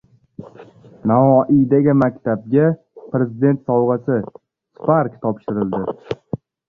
Navoiydagi maktabga Prezident sovg‘asi — «Spark» topshirildi